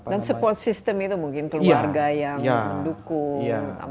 dan support system itu mungkin keluarga yang mendukung